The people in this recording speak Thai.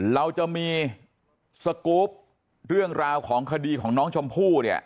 เราจะมีสกรูปเรื่องราวของคดีของน้องชมพู่เนี่ย